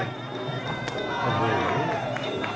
ใช่โอ้โห